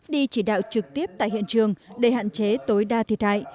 đi chỉ đạo trực tiếp tại hiện trường để hạn chế tối đa thiệt hại